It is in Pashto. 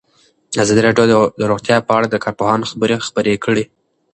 ازادي راډیو د روغتیا په اړه د کارپوهانو خبرې خپرې کړي.